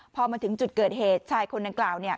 พอมาถึงจุดเกิดเหตุชายคนดังกล่าว